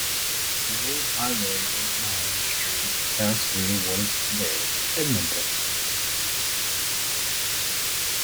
The old highway Ermine Street passed through what is today Edmonton.